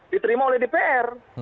diterima oleh dpr